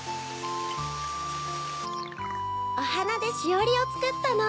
おはなでしおりをつくったの。